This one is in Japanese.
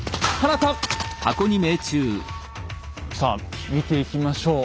さあ見ていきましょう。